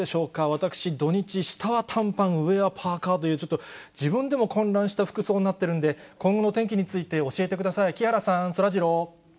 私、土日、下は短パン、上はパーカーという、ちょっと自分でも混乱した服装になってるんで、今後の天気について教えてください、木原さん、そらジロー。